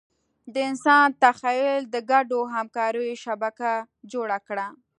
د انسان تخیل د ګډو همکاریو شبکه جوړه کړه.